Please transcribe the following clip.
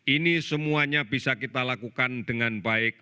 ini semuanya bisa kita lakukan dengan baik